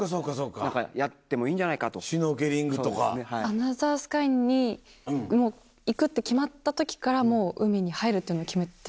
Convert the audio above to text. アナザースカイに行くって決まった時からもう海に入るというのは決めてたんですか？